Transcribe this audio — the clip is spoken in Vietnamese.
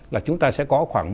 là chúng ta sẽ có khoảng